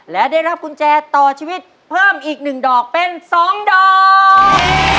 และได้รับกุญแจต่อชีวิตเพิ่มอีก๑ดอกเป็น๒ดอก